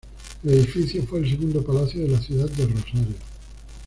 El edificio fue el segundo palacio de la ciudad de Rosario.